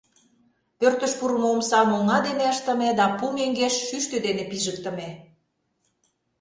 Пӧртыш пурымо омсам оҥа дене ыштыме да пу меҥгеш шӱштӧ дене пижыктыме.